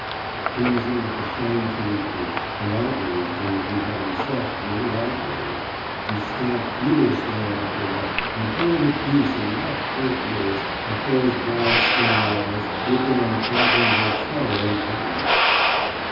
« Crimson with the shame of the reproof, and outraged in that he had himself committed outrage, he stamped furiously on the floor and hurled abuse in rough curt words at those wide staring eyes with their unfathomable terror and pain.